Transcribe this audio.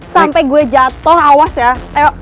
sampai gue jatuh awas ya